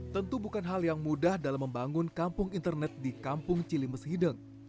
tentu bukan hal yang mudah dalam membangun kampung internet di kampung cilimes hideng